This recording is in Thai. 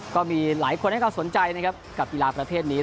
ก็มีหลายคนให้เขาสนใจนะครับกับกีฬาประเภทนี้